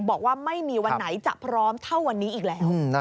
บอกว่าไม่มีวันไหนจะพร้อมเท่าวันนี้อีกแล้ว